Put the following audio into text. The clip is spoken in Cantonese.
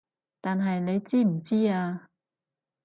但係你知唔知啊